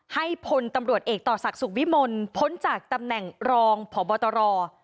ให้พลตำรวจเอกต่อศักดิ์สุขวิมลพ้นจากตำแหน่งรองพบตร